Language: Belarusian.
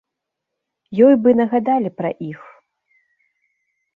Ёй бы нагадалі пра іх!